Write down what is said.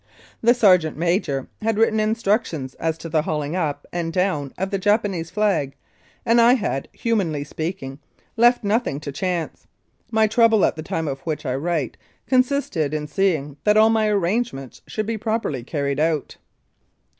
The sergeant major had written instructions as to the hauling up and down of the Japanese flag, and I had, humanly speaking, left nothing to chance. My trouble at the time of which I write consisted in seeing that all my arrangements should be properly carried out.